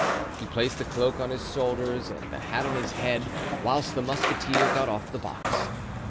He placed the cloak on his shoulders and the hat on his head, whilst the musketeer got off the box.